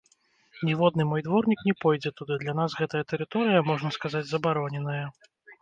Ніводны мой дворнік не пойдзе туды, для нас гэтая тэрыторыя, можна сказаць, забароненая.